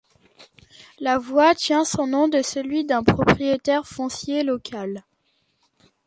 La voie tient son nom de celui d'un propriétaire foncier local.